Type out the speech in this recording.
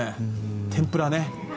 天ぷらね。